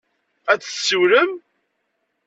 Ad d-tsiwlem?